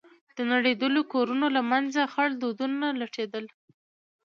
د نړېدلو كورونو له منځه خړ دودونه لټېدل.